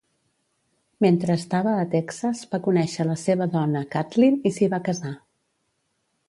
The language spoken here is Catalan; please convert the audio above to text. Mentre estava a Texas va conèixer la seva dona, Kathleen, i s'hi va casar.